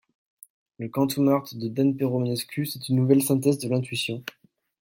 Le ‹Quantum-Art› de Dan Pero Manescu c’est une nouvelle synthèse de l’intuition.